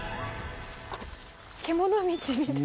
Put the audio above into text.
獣道みたい。